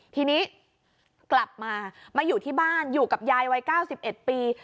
ทีนี้กลับมามาอยู่ที่บ้านอยู่กับยายวัย๙๑ปี